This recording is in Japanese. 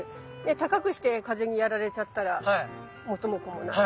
高くして風にやられちゃったら元も子もない。